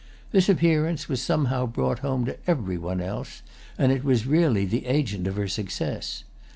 This appearance was somehow brought home to every one else, and it was really the agent of her success.